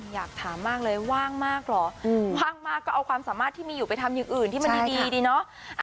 อยากถามมากเลยว่างมากเหรอว่างมากก็เอาความสามารถที่มีอยู่ไปทำอย่างอื่นที่มันดีดีเนาะ